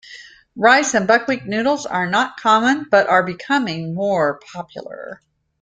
Rice and buckwheat noodles are not common, but are becoming more popular.